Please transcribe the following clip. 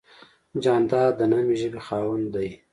جانداد د نرمې ژبې خاوند دی.